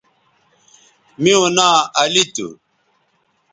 میوں ناں علی تھو